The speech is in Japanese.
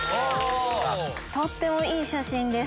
とってもいい写真です